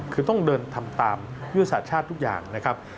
คือต้องเดินทำตามยุทธศาสตร์ชาติทุกอย่างนะครับ